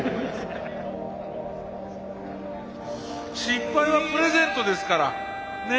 失敗はプレゼントですからね。